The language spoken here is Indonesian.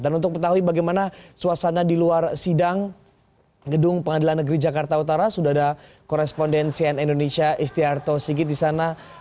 dan untuk mengetahui bagaimana suasana di luar sidang gedung pengadilan negeri jakarta utara sudah ada korespondensian indonesia istiarto sigit disana